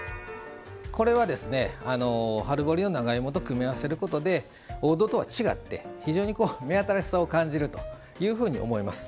これは春掘りの長芋と組み合わせることで王道とは違って非常に目新しさを感じるというふうに思います。